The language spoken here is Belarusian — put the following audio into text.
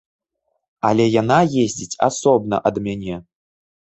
Але яна ездзіць асобна ад мяне.